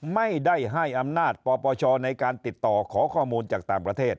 ไม่ได้ให้อำนาจปปชในการติดต่อขอข้อมูลจากต่างประเทศ